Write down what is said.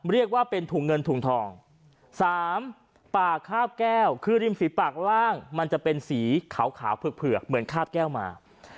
เรียกว่าเป็นถุงเงินถุงทอง๓ปากคาบแก้วคือริมฝีปากล่างมันจะเป็นสีขาวเผือกเหมือนคาบแก้วมา